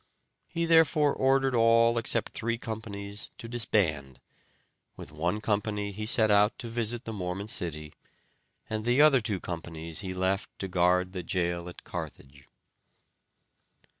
He therefore ordered all except three companies to disband; with one company he set out to visit the Mormon city, and the other two companies he left to guard the jail at Carthage.